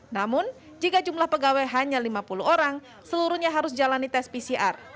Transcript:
namun jika jumlah pegawai hanya lima puluh orang seluruhnya harus jalani tes pcr